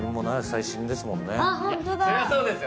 そりゃそうですよ